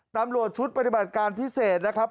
ตำรวจชุดปฏิบัติการพิเศษนะครับ